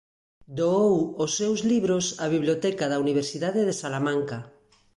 Doou os seus libros á biblioteca da Universidade de Salamanca.